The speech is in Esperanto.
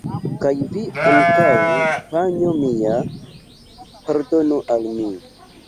Kaj vi ankaŭ, panjo mia, pardonu al mi!